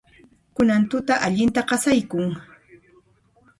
Kunan tuta allinta qasaykun.